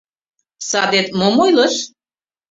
«Садет мом ойлыш?»